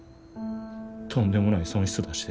とんでもない損失出して。